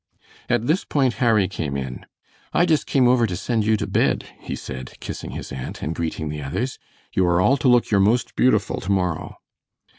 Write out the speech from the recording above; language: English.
At this point Harry came in. "I just came over to send you to bed," he said, kissing his aunt, and greeting the others. "You are all to look your most beautiful to morrow."